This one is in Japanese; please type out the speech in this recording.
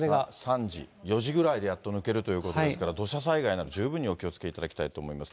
３時、４時ぐらいでやっと抜けるということですから、土砂災害など十分にお気をつけいただきたいと思います。